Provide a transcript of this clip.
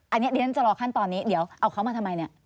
อันนี้เดี๋ยวฉันจะรอขั้นตอนนี้เดี๋ยวเอาเขามาทำไมเนี่ย